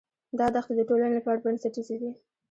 دا دښتې د ټولنې لپاره بنسټیزې دي.